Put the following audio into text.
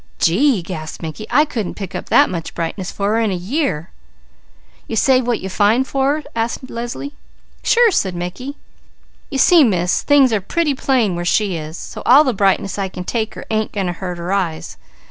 "Gee!" gasped Mickey. "I couldn't pick up that much brightness for her in a year!" "You save what you find for her?" asked Leslie. "Sure!" said Mickey. "You see Miss, things are pretty plain where she is, so all the brightness I can take her ain't going to hurt her eyes.